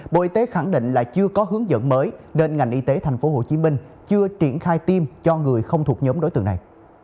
bộ y tế khẳng định là chưa có hướng dẫn mới nên ngành y tế tp hcm chưa triển khai tiêm cho người không thuộc nhóm đối tượng này